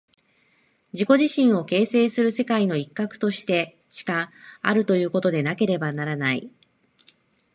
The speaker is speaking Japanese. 自己自身を形成する世界の一角としてしかあるということでなければならない。